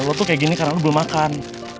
lo tuh kayak gini karena lu belum makan